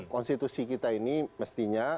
konstitusi kita ini mestinya